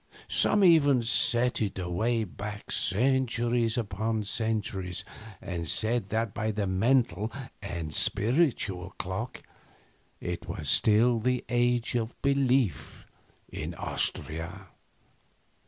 Some even set it away back centuries upon centuries and said that by the mental and spiritual clock it was still the Age of Belief in Austria.